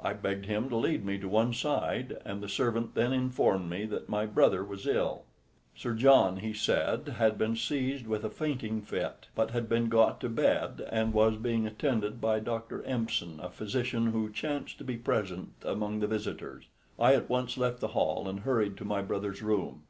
I begged him to lead me to one side, and the servant then informed me that my brother was ill. Sir John, he said, had been seized with a fainting fit, but had been got to bed, and was being attended by Dr. Empson, a physician who chanced to be present among the visitors. I at once left the hall and hurried to my brother's room.